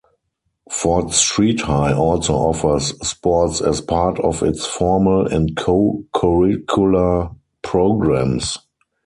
Fort Street High also offers sports as part of its formal and co-curricular programs.